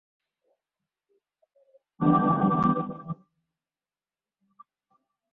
A Sachs Rotary Engine was chosen for the prototype.